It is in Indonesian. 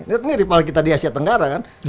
ini di asia tenggara kan